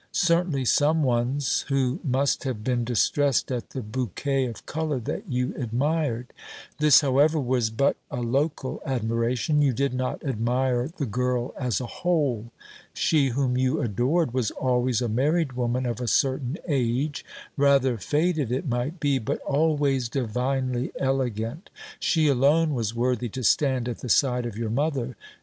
Certainly some one's who must have been distressed at the bouquet of colour that you admired. This, however, was but a local admiration. You did not admire the girl as a whole. She whom you adored was always a married woman of a certain age; rather faded, it might be, but always divinely elegant. She alone was worthy to stand at the side of your mother.